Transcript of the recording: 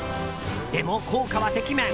でも効果はてきめん。